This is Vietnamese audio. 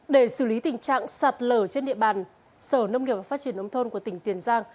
để xử lý tình trạng sạt lở trên địa bàn sở nông nghiệp và phát triển nông thôn của tỉnh tiền giang